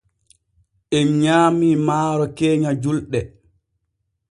En nyaamii maaro keenya julɗe.